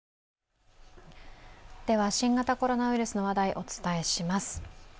新型コロナウイルスの話題お伝えします。